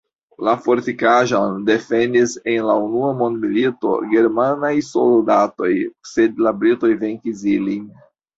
La fortikaĵon defendis en la unua mondmilito germanaj soldatoj, sed la britoj venkis ilin.